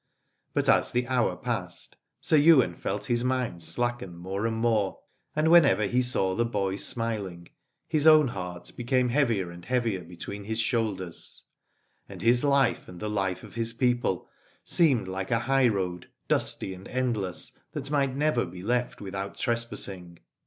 But as the hour passed. Sir Ywain felt his mind slacken more and more, and whenever he saw the boy smiling, his own heart became heavier and heavier between his shoulders, and his Aladore life and the life of his people seemed like a high road, dusty and endless, that might never be left without trespassing.